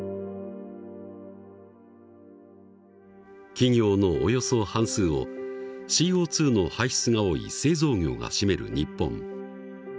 企業のおよそ半数をＣＯの排出が多い製造業が占める日本。